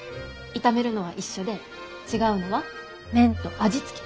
炒めるのは一緒で違うのは麺と味付け。